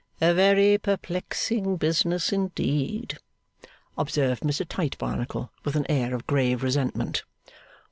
'A very perplexing business indeed,' observed Mr Tite Barnacle, with an air of grave resentment.